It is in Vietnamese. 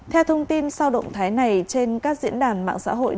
theo thông tin sau động thái này trên các diễn đàn mạng xã hội